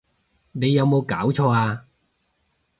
你有無攪錯呀！